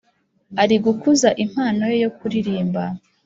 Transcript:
Ari gukuza Impano ye yo kuririmba,